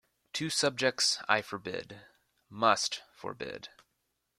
Two subjects I forbid — must forbid.